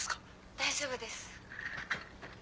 大丈夫です。